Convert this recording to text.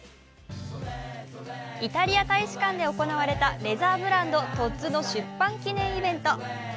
イタリア大使館で行われたレジャーブランドＴＯＤ’Ｓの出版記念イベント。